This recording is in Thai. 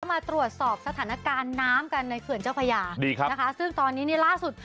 มาตรวจสอบสถานการณ์น้ำกันในเขื่อนเจ้าพญาดีครับนะคะซึ่งตอนนี้เนี่ยล่าสุด